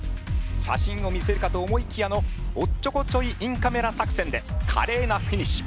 写真を見せるかと思いきやのおっちょこちょいインカメラ作戦で華麗なフィニッシュ。